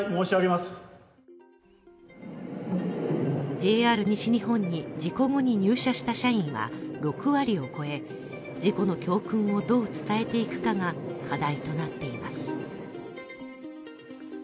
ＪＲ西日本に事故後に入社した社員は６割を超え事故の教訓をどう伝えていくかが課題となっています。